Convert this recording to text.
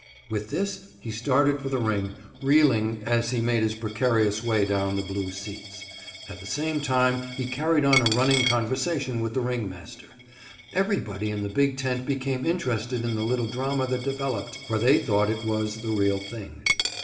With this, he started for the ring, reeling as he made his precarious way down the blue seats. At the same time he carried on a running conversation with the ringmaster. Everybody in the big tent became interested in the little drama that developed, for they thought it was the real thing.